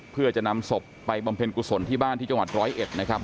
เพื่อจะนำศพไปบำเพ็ญกุศลที่บ้านที่จังหวัดร้อยเอ็ดนะครับ